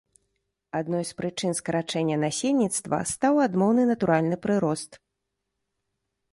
Адной з прычын скарачэння насельніцтва стаў адмоўны натуральны прырост.